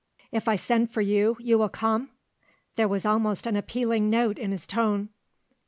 If I send for you, you will come?" There was almost an appealing note in his tone.